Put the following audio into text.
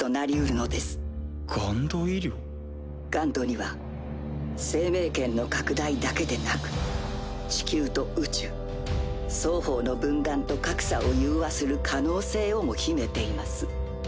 ＧＵＮＤには生命圏の拡大だけでなく地球と宇宙双方の分断と格差を融和する可能性をも秘めています。